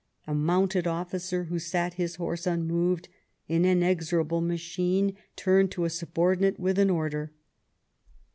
A mounted officer, who sat his horse unmoved, an inexorable machine, turned to a subordinate with an order.